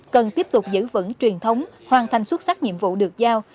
cần tiếp tục giữ vững truyền thống hoàn thành xuất sắc nhiệm vụ được giao